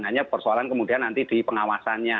hanya persoalan kemudian nanti di pengawasannya